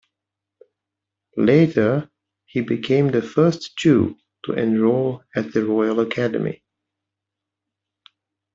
Later, he became the first Jew to enroll at the Royal Academy.